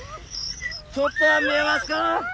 ちょっとは見えますか？